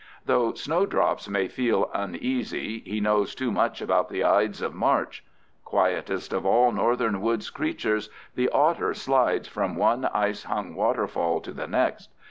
Though snowdrops may feel uneasy, he knows too much about the Ides of March! Quietest of all Northern woods creatures, the otter slides from one ice hung waterfall to the next.